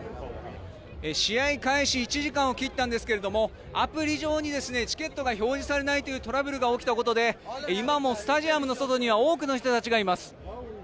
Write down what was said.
試合開始１時間を切ったんですけどアプリ上にチケットが表示されないというトラブルが起きたことで今もまだスタジアムの外には多くの人たちがいます。